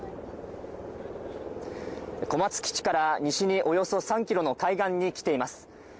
小松基地から西におよそ３キロの海岸に来ています